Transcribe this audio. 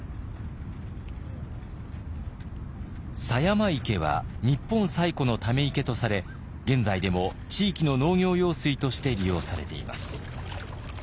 狭山池は日本最古のため池とされ現在でも地域の農業用水として利用されています。